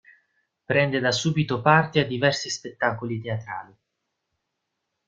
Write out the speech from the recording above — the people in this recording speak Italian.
Prende da subito parte a diversi spettacoli teatrali.